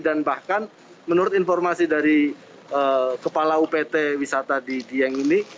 dan bahkan menurut informasi dari kepala upt wisata di dieng ini